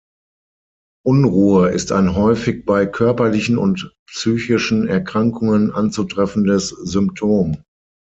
Unruhe ist ein häufig bei körperlichen und psychischen Erkrankungen anzutreffendes Symptom.